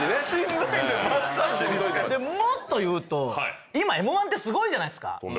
もっと言うと今Ｍ−１ってすごいじゃないですか。